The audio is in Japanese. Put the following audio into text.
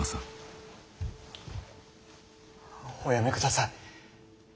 おやめください。